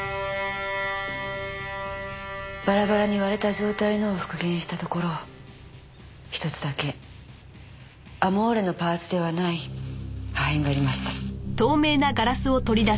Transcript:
バラバラに割れた状態のを復元したところ１つだけ『アモーレ』のパーツではない破片がありました。